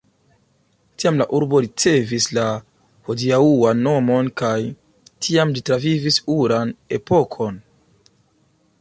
Tiam la urbo ricevis la hodiaŭan nomon kaj tiam ĝi travivis oran epokon.